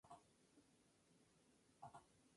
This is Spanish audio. En la actualidad tiene cinco sucursales en Nigeria.